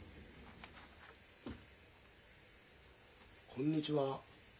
こんにちは。